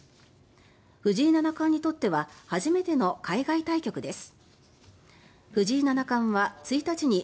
藤井七冠にとっては初めての海外対局です。